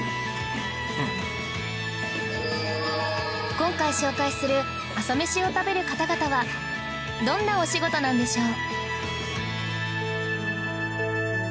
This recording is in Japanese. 今回紹介する朝メシを食べる方々はどんなお仕事なんでしょう？